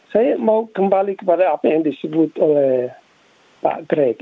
saya mau kembali kepada apa yang disebut oleh pak grade